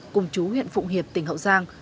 và chú huyện phụ hiệp tỉnh hậu giang